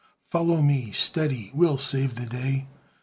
"Follow me! Steady! We'll save the day!"